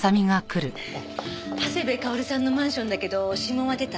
長谷部薫さんのマンションだけど指紋は出た？